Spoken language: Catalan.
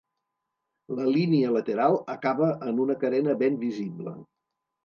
La línia lateral acaba en una carena ben visible.